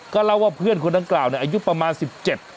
ก็เล่าว่าเพื่อนคนนั้นกล่าวเนี่ยอายุประมาณสิบเจ็ด